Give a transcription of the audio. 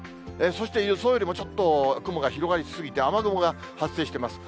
そして予想よりもちょっと雲が広がりすぎて、雨雲が発生しています。